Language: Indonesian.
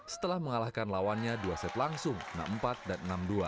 setelah mengalahkan lawannya dua set langsung enam empat dan enam dua